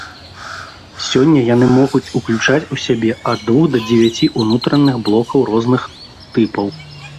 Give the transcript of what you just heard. Сёння яны могуць ўключаць у сябе ад двух да дзевяці ўнутраных блокаў розных тыпаў.